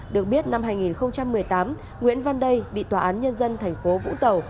được biết năm hai nghìn một mươi tám nguyễn văn đây bị tòa án nhân dân tp vũng tàu